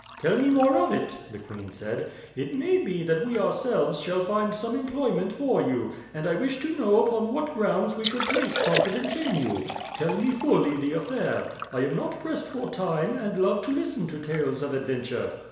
"Tell me more of it," the queen said. "It may be that we ourselves shall find some employment for you, and I wish to know upon what grounds we should place confidence in you. Tell me fully the affair. I am not pressed for time, and love to listen to tales of adventure."